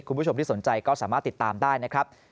คุณผู้ชมที่สนใจก็สามารถติดตามได้นะครับ